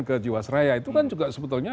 ke jiwasraya itu kan juga sebetulnya